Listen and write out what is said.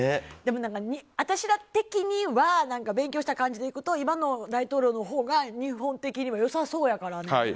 でも私ら的には勉強した感じで言うと今の大統領のほうが日本的にも良さそうやからな。